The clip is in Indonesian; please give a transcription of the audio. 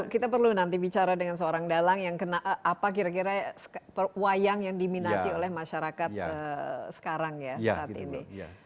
kita perlu nanti bicara dengan seorang dalang yang kena apa kira kira wayang yang diminati oleh masyarakat sekarang ya saat ini